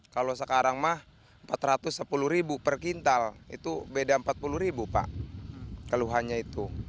kalau sekarang mah rp empat ratus sepuluh per kintal itu beda empat puluh pak keluhannya itu